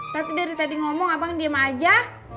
tapi dari tadi ngomong abang diem aja